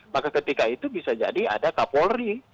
maka ketika itu bisa jadi ada kapolri